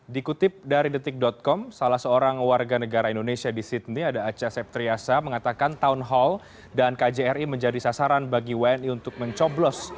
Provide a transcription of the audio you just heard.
dikutip dari detik com salah seorang warga negara indonesia di sydney ada aca septriasa mengatakan town hall dan kjri menjadi sasaran bagi wni untuk mencoblos